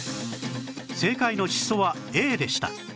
正解のシソは Ａ でした